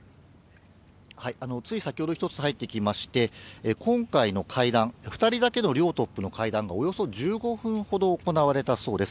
つい先ほど１つ入ってきまして、今回の会談、２人だけの両トップの会談がおよそ１５分ほど行われたそうです。